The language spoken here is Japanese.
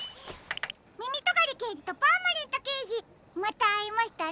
みみとがりけいじとパーマネントけいじまたあいましたね。